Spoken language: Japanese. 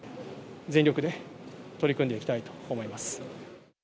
全力で取り組んでいきたいと思い